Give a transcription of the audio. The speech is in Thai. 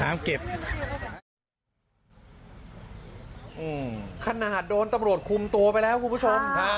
ขนาดโดนตำรวจคุมตัวไปแล้วคุณผู้ชม